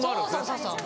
そうそう。